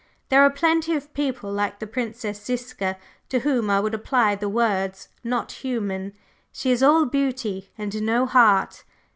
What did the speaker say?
There are plenty of people like the Princess Ziska to whom I would apply the words 'not human.' She is all beauty and no heart.